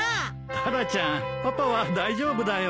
タラちゃんパパは大丈夫だよ。